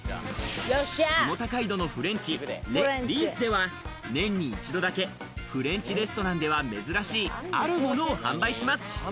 下高井戸のフレンチ、レ・リースでは、年に一度だけ、フレンチレストランでは珍しい、ある物を販売します。